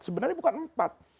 sebenarnya bukan empat